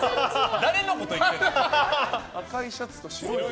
誰のことを言ってるの。